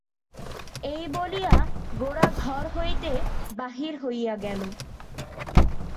এই বলিয়া গোরা ঘর হইতে বাহির হইয়া গেল।